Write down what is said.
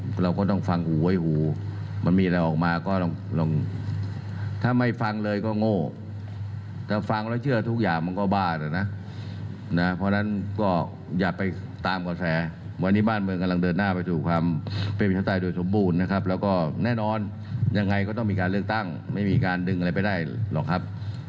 ไปฟังเสียงนายกกันก่อนครับ